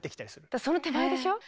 だからその手前でしょう。